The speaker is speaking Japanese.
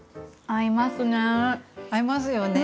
合いますよね。